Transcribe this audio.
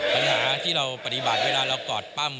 ปัญหาที่เราปฏิบัติเวลาเรากอดปั้ม